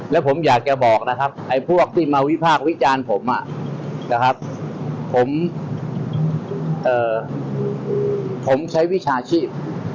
ถ้าผมอยากแกบอกนะครับไอ้พวกที่มาวิภาควิจารณ์ผมผมใช้วิชาชีพ